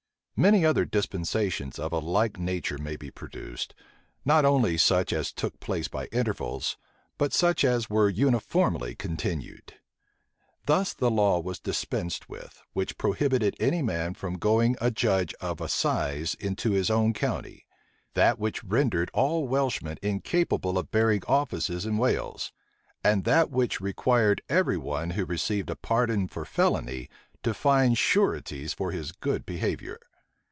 Many other dispensations of a like nature may be produced; not only such as took place by intervals, but such as were uniformly continued. Thus the law was dispensed with, which prohibited any man from going a judge of assize into his own county; that which rendered all Welshmen incapable of bearing offices in Wales; and that which required every one who received a pardon for felony, to find sureties for his good behavior.